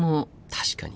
確かに。